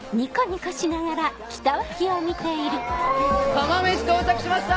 釜飯到着しました！